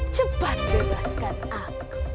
cepat bebas kan aku